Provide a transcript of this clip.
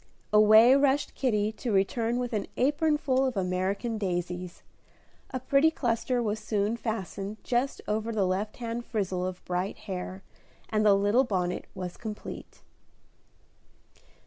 Away rushed Kitty to return with an apron full of American daisies. A pretty cluster was soon fastened just over the left hand frizzle of bright hair, and the little bonnet was complete.